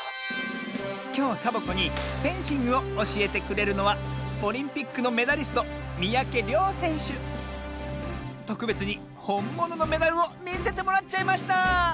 きょうサボ子にフェンシングをおしえてくれるのはオリンピックのメダリストとくべつにほんもののメダルをみせてもらっちゃいました！